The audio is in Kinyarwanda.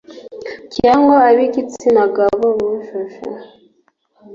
Cyangwa ab’igitsina gabo, bujuje